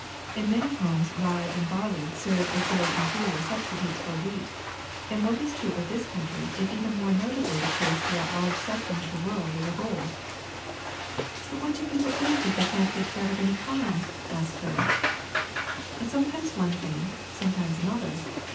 In many homes rye and barley serve as very inferior substitutes for wheat; and what is true of this country is even more notably the case throughout large sections of the world as a whole. ''^* But what do people eat if they can 't get bread of any kind!" asked Claire. ^' Sometimes one thing, sometimes another.